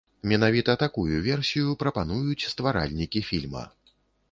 Менавіта такую версію прапануюць стваральнікі фільма.